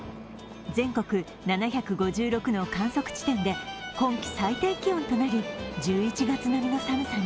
全国７５６の観測地点で今季最低気温となり１１月並みの寒さに。